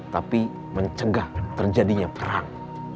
tapi mencegah terjadinya perang